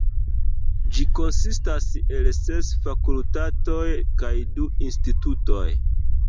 Ĝi konsistas el ses fakultatoj kaj du institutoj.